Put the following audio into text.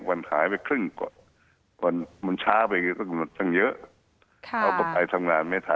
วันหายไปครึ่งกว่ามันช้าไปก็เยอะค่ะเอาไปไปทำงานไม่ทัน